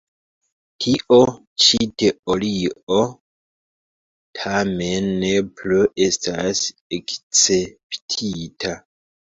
Tio ĉi teorio, tamen, ne plu estas akceptita.